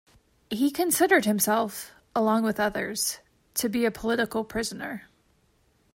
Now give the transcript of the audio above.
He considered himself, along with others, to be a political prisoner.